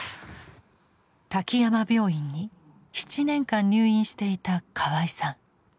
滝山病院に７年間入院していた河合さん。